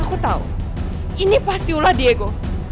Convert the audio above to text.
aku tahu ini pasti ulah diego